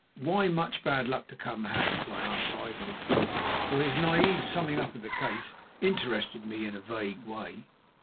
"Why much bad luck to come, Hans?" I asked idly, for his naïve summing up of the case interested me in a vague way.